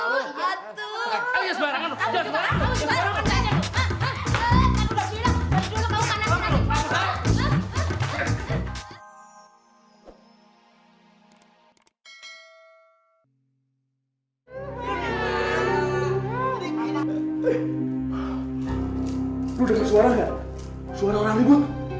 lo denger suara gak suara orang ini bu